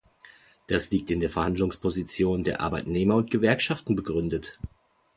Das liegt in der Verhandlungsposition der Arbeitnehmer und Gewerkschaften begründet.